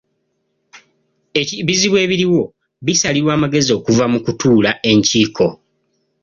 Ebizibu ebiriwo bisalirwa amagezi okuva mu kutuula enkiiko..